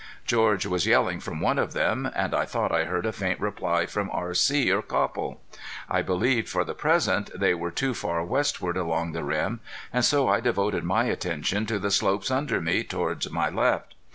George was yelling from one of them, and I thought I heard a faint reply from R.C. or Copple. I believed for the present they were too far westward along the rim, and so I devoted my attention to the slopes under me toward my left.